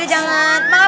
eh jangan pakde